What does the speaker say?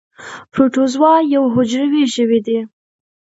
پروټوزوا یو حجروي ژوي دي